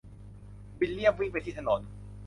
วิลเลียมวิ่งไปที่ถนน